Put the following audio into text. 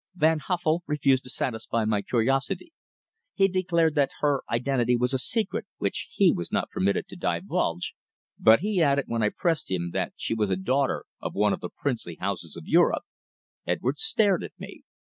"Van Huffel refused to satisfy my curiosity. He declared that her identity was a secret which he was not permitted to divulge, but he added when I pressed him, that she was a daughter of one of the princely houses of Europe!" Edwards stared at me.